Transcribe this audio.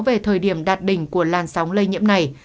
về thời điểm đạt đỉnh của làn sóng lây nhiễm này